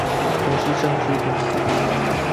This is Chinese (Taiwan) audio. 而是政治光譜